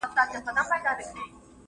د کتاب تر څنګ خپل چاپېريال هم درک کړئ.